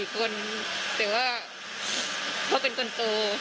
๔คนเขาก็เป็นคนโต